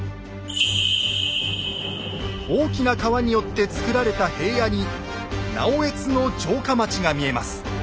大きな川によってつくられた平野に直江津の城下町が見えます。